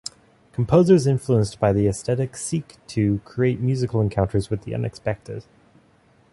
Composers influenced by the aesthetic seek to create musical encounters with the unexpected.